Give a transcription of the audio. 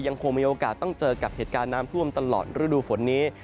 ยังคงมีโอกาสต้องเจอกับเหตุการณ์น้ำท่วมตลอดฤดูฝนนี้